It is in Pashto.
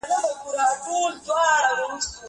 که وخت وي، د کتابتون د کار مرسته کوم!؟